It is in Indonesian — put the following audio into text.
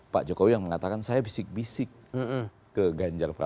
pak jokowi yang mengatakan saya bisik bisik ke ganjar pranowo